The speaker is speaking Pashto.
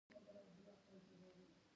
غږ اورېدل زموږ اړیکې پیاوړې کوي.